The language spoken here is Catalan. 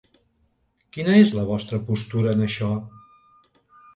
Quina és la vostra postura en això?